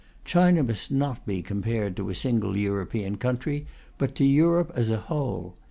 China must not be compared to a single European country, but to Europe as a whole.